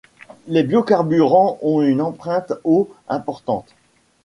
Les biocarburants ont une empreinte eau importante.